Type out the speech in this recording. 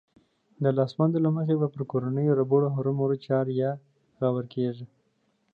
د لاسوندو له مخې به پر کورنيو ربړو هرومرو چار يا غور کېږي.